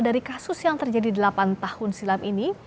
dari kasus yang terjadi delapan tahun silam ini